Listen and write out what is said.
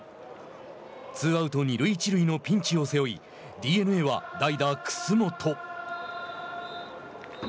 ツーアウト、二塁一塁のピンチを背負いＤｅＮＡは代打楠本。